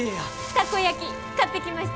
たこ焼き買ってきました！